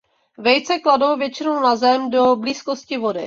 Vejce kladou většinou na zem do blízkosti vody.